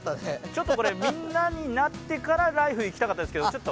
ちょっとみんなになってからＬＩＦＥいきたかったですけども。